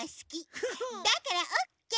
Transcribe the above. だからオッケー！